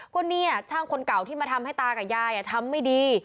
ก็เนี่ยช่างคนเก่าที่มาทำให้ตากับยายทำไม่ดี